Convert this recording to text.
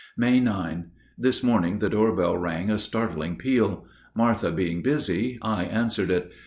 May 9. This morning the door bell rang a startling peal. Martha being busy, I answered it.